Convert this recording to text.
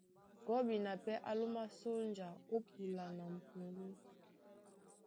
Gɔ́bina pɛ́ á lómá sónja ó púla ná m̀puŋgú.